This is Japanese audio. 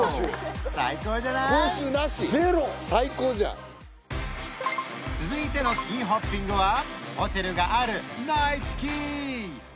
最高じゃん続いてのキーホッピングはホテルがあるナイツキー